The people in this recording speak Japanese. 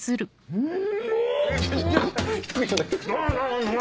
うん！